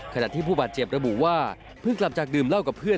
ขณะที่ผู้บาดเจ็บระบุว่าเพิ่งกลับจากดื่มเหล้ากับเพื่อน